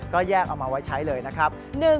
ก็แยกเอามาไว้ใช้เลยนะครับ